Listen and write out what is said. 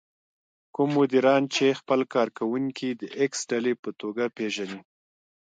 کوم مديران چې خپل کار کوونکي د ايکس ډلې په توګه پېژني.